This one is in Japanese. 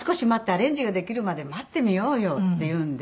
「アレンジができるまで待ってみようよ」って言うんで。